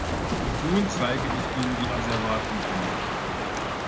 Und nun zeige ich Ihnen die Asservatenkammer.